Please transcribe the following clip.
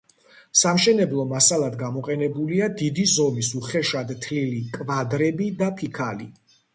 სამშენებლო მასალად გამოყენებულია დიდი ზომის უხეშად თლილი კვადრები და ფიქალი.